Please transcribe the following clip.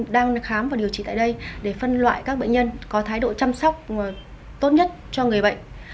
đang khám và điều trị tại đây để phân loại các bệnh nhân có thái độ chăm sóc tốt nhất cho người bệnh